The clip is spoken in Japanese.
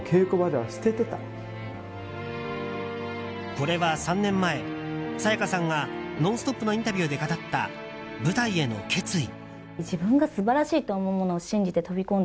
これは３年前、沙也加さんが「ノンストップ！」のインタビューで語った舞台への決意。